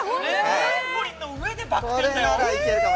◆トランポリンの上でバク転だよ！